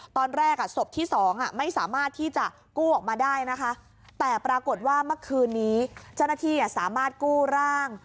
ศพที่๒ไม่สามารถที่จะกู้ออกมาได้นะคะแต่ปรากฏว่าเมื่อคืนนี้เจ้าหน้าที่สามารถกู้ร่าง